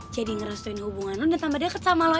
jadi ngeresuin hubungan lo dan tambah deket sama lo